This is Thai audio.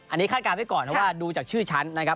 อันนี้คาดการณ์ไว้ก่อนเพราะว่าดูจากชื่อชั้นนะครับ